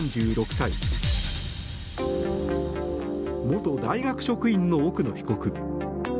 元大学職員の奥野被告。